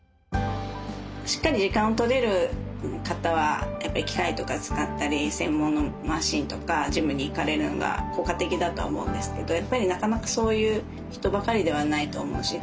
しっかり時間を取れる方は機械とか使ったり専門のマシンとかジムに行かれるのが効果的だと思うんですけどやっぱりなかなかそういう人ばかりではないと思うし